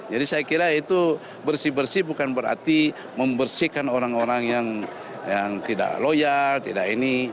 jadi saya kira itu bersih bersih bukan berarti membersihkan orang orang yang tidak loyal tidak ini